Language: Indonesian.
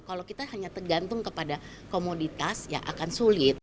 kalau kita hanya tergantung kepada komoditas ya akan sulit